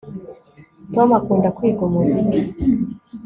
Tom akunda kwiga umuziki